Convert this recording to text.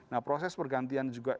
nah proses pergantian juga